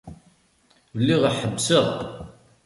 Lliɣ ḥebbseɣ.